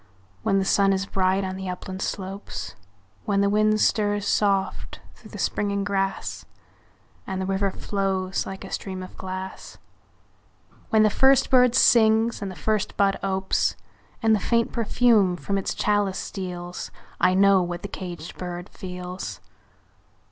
When the sun is bright on the upland slopes; When the wind stirs soft through the springing grass, And the river flows like a stream of glass; When the first bird sings and the first bud opes, And the faint perfume from its chalice steals I know what the caged bird feels!